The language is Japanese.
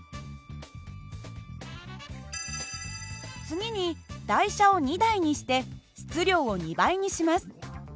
次に台車を２台にして質量を２倍にします。